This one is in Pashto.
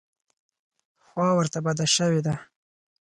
خوا ورته بده شوې ده.